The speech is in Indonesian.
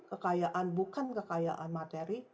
kekayaan bukan kekayaan materi